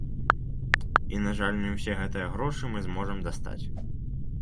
І, на жаль, не ўсе гэтыя грошы мы зможам дастаць.